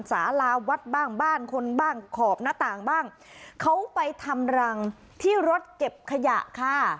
สาราวัดบ้างบ้านคนบ้างขอบหน้าต่างบ้างเขาไปทำรังที่รถเก็บขยะค่ะ